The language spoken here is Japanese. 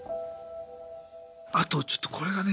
あとちょっとこれがね